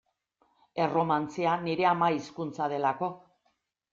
Erromantzea nire ama hizkuntza delako.